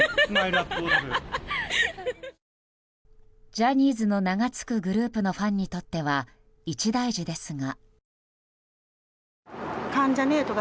ジャニーズの名がつくグループのファンにとっては一大事ですが。